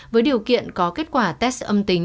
với điều kiện có kết quả test âm tính